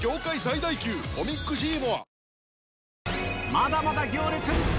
まだまだ『行列』！